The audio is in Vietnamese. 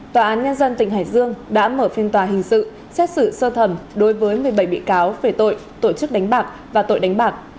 tòa án nhân dân tỉnh hải dương đã mở phiên tòa hình sự xét xử sơ thẩm đối với một mươi bảy bị cáo về tội tổ chức đánh bạc và tội đánh bạc